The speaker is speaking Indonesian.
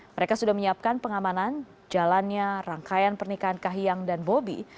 mereka sudah menyiapkan pengamanan jalannya rangkaian pernikahan kahiyang dan bobi